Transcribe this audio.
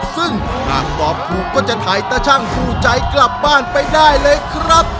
ซึ่งหากตอบถูกก็จะถ่ายตะชั่งสู้ใจกลับบ้านไปได้เลยครับ